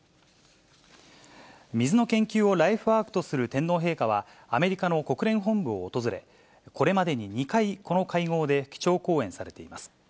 水の研究をライフワークとする天皇陛下は、アメリカの国連本部を訪れ、これまでに２回、この会合で基調講演されています。